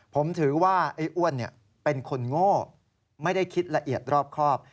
ผมถือว่าไอ้อ้วนเป็นคนโง่ไม่ได้คิดละเอียดรอบครอบ